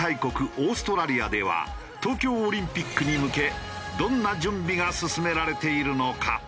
オーストラリアでは東京オリンピックに向けどんな準備が進められているのか？